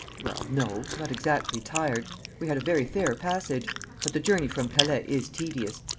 "Well, no; not exactly tired. We had a very fair passage; but the journey from Calais is tedious.